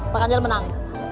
pak ganjar menang